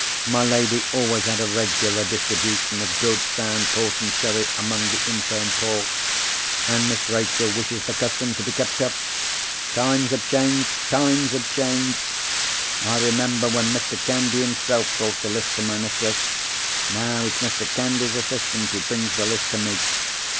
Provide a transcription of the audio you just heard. My lady always had a regular distribution of good sound port and sherry among the infirm poor; and Miss Rachel wishes the custom to be kept up. Times have changed! times have changed! I remember when Mr. Candy himself brought the list to my mistress. Now it's Mr. Candy's assistant who brings the list to me.